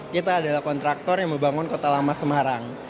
kita adalah kontraktor yang membangun kota lama semarang